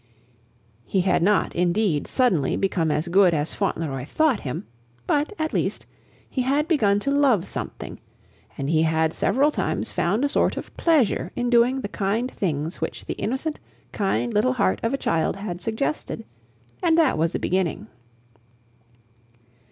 He had not, indeed, suddenly become as good as Fauntleroy thought him; but, at least, he had begun to love something, and he had several times found a sort of pleasure in doing the kind things which the innocent, kind little heart of a child had suggested, and that was a beginning.